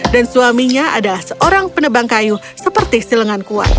dan suaminya adalah seorang penebang kayu seperti silengan kuat